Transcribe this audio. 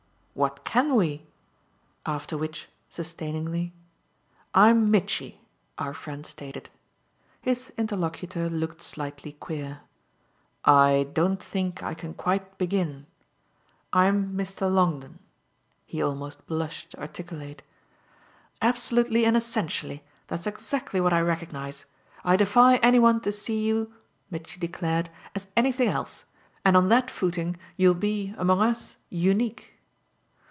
"What can we?" After which, sustainingly, "I'm 'Mitchy,'" our friend stated. His interlocutor looked slightly queer. "I don't think I can quite begin. I'm Mr. Longdon," he almost blushed to articulate. "Absolutely and essentially that's exactly what I recognise. I defy any one to see you," Mitchy declared, "as anything else, and on that footing you'll be, among us, unique."